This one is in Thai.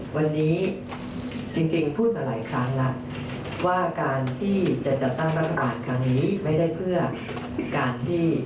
วันนี้จริงพูดมาหลายครั้งแล้วว่าการที่จะจัดตั้งรัฐบาลครั้งนี้ไม่ได้เพื่อการที่